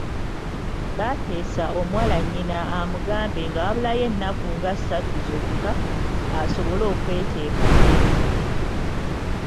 Baateesa omuwala nnyina amugambe nga wabulayo ennaku nga ssatu zokka asobole okweteekateeka.